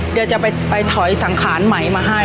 เดี๋ยวจะไปถอยสังขารใหม่มาให้